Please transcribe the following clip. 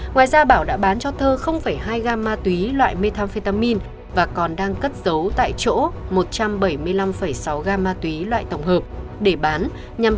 ngoài ra bảo đã bán cho thơ hai gam ma túy loại methamphetamin và còn đang cất giấu tại chỗ một trăm bảy mươi năm sáu gam ma túy loại tổng hợp để bán